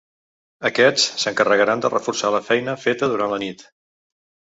Aquests s’encarregaran de reforçar la feina feta durant la nit.